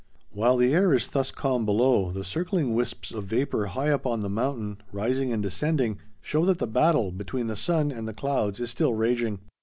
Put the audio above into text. While the air is thus calm below, the circling wisps of vapor high up on the mountain, rising and descending, show that the battle between the sun and the clouds is still raging.